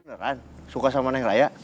beneran suka sama neng raya